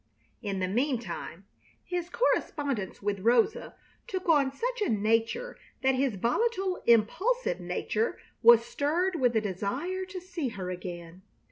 In the mean time his correspondence with Rosa took on such a nature that his volatile, impulsive nature was stirred with a desire to see her again.